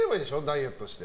ダイエットして。